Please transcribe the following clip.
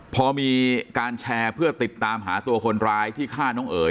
พอมีการแชร์เพื่อติดตามหาตัวคนร้ายที่ฆ่าน้องเอ๋ย